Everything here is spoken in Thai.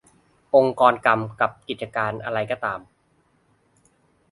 องค์กรกำกับกิจการอะไรก็ตาม